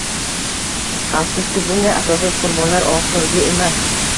Afsuski, bunday asossiz qurbonlar oxirgi emas